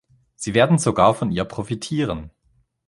Sie werden sogar von ihr profitieren.